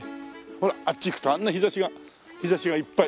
ほらあっち行くとあんな日差しが日差しがいっぱい。